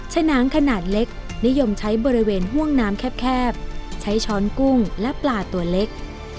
ฉนางขนาดเล็กนิยมใช้บริเวณห่วงน้ำแคบใช้ช้อนกุ้งและปลาตัวเล็ก